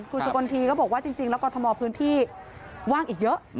คุณสุกลทีก็บอกว่าจริงแล้วกรทมพื้นที่ว่างอีกเยอะ